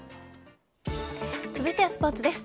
続いてはスポーツです。